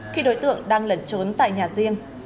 khi đối tượng đang lẩn trốn tại nhà riêng